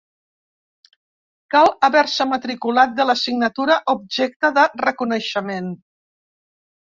Cal haver-se matriculat de l'assignatura objecte de reconeixement.